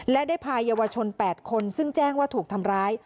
และได้พายาวชน๘คนซึ่งแจ้งว่าถูกทำร้าย